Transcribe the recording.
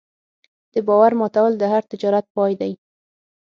د باور ماتول د هر تجارت پای دی.